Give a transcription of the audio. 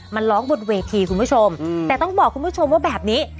มันร้องบนเวทีคุณผู้ชมแต่ต้องบอกคุณผู้ชมว่าแบบนี้